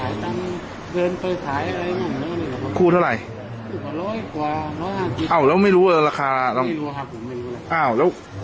เงินไปขายอะไรพูดเท่าไรอ้าวแล้วไม่รู้ว่าราคาอ้าวแล้ว